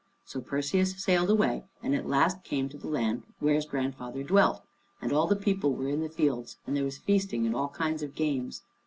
So Perseus sailed away, and at last he came to the land where his grandfather dwelt, and all the people were in the fields, and there was feasting and all kinds of games.